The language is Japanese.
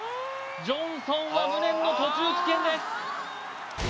ジョンソンは無念の途中棄権です